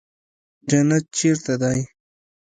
جنت چېرته دى.